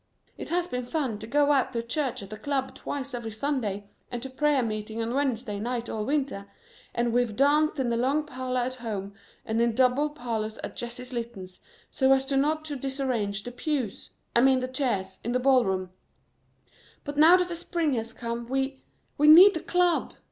It has been fun to go out to church at the Club twice every Sunday and to prayer meeting on Wednesday night all winter, and we've danced in the long parlor at home and in the double parlors at Jessie Litton's so as not to disarrange the pews, I mean the chairs, in the ballroom, but now that the spring has come we we need the Club.